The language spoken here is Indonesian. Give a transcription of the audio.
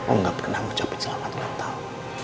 om gak pernah mengucapkan selamat ulang tahun